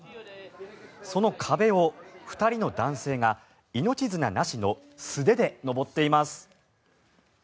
その壁を、２人の男性が命綱なしの素手で登っています。